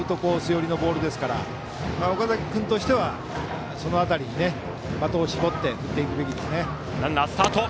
寄りのボールですから、岡崎君としてはその辺りに、的を絞って振っていくべきです。